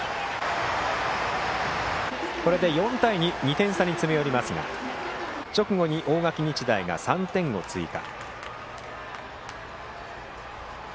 これで４対２２点差に詰め寄りますが直後に大垣日大が３点を追加。